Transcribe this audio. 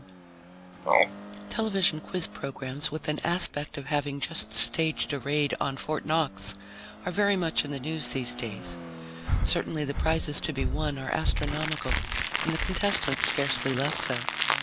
net _Television quiz programs with an aspect of having just staged a raid on Fort Knox are very much in the news these days. Certainly the prizes to be won are astronomical and the contestants scarcely less so.